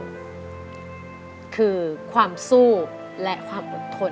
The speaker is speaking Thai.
คือความสู้และความอดทน